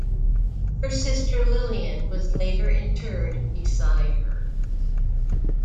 Her sister Lillian was later interred beside her.